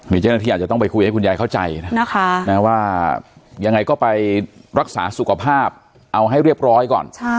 นี่เจ้าหน้าที่อาจจะต้องไปคุยให้คุณยายเข้าใจนะคะว่ายังไงก็ไปรักษาสุขภาพเอาให้เรียบร้อยก่อน